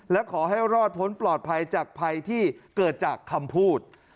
และขอให้รอดพ้นปลอดภัยจากภัยที่เกิดจากคำพูด